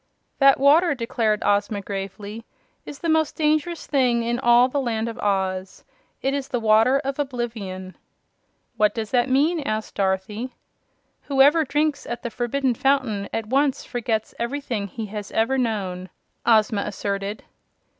"That water," declared Ozma, gravely, "is the most dangerous thing in all the Land of Oz. It is the Water of Oblivion." "What does that mean?" asked Dorothy. "Whoever drinks at the Forbidden Fountain at once forgets everything he has ever known," Ozma asserted.